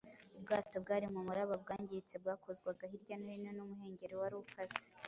Ubwato bwari mu muraba bwangiritse bwakozwaga hirya no hino n’umuhengeri wari ukase